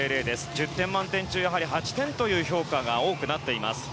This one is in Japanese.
１０点満点中８点という評価が多くなっています。